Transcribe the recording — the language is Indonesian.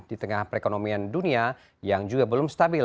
di tengah perekonomian dunia yang juga belum stabil